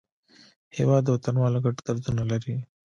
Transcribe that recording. هېواد د وطنوالو ګډ دردونه لري.